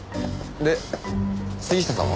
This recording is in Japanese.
で杉下さんは？